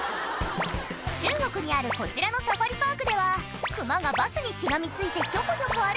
中国にあるこちらのサファリパークではクマがバスにしがみついてひょこひょこ歩く